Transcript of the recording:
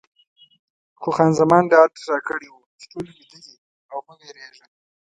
خو خان زمان ډاډ راکړی و چې ټول ویده دي او مه وېرېږه.